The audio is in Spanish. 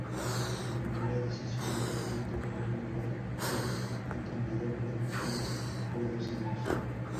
La primera decisión importante fue renovar al entrenador Dani Ponz por dos años.